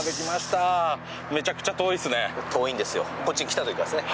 こっちに来た時からですね